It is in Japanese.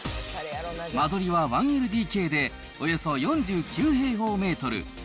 間取りは１ＬＤＫでおよそ４９平方メートル。